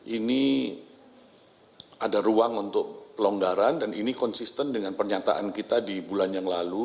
ini ada ruang untuk pelonggaran dan ini konsisten dengan pernyataan kita di bulan yang lalu